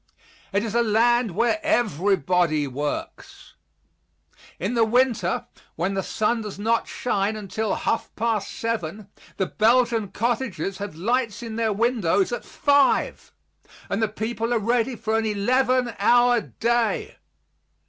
It is a land where everybody works. In the winter when the sun does not rise until half past seven, the Belgian cottages have lights in their windows at five, and the people are ready for an eleven hour day.